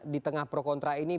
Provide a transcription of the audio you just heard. di tengah pro kontra ini